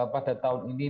pada tahun ini